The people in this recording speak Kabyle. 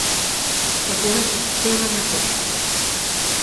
Tafunast tettarra ifeẓ.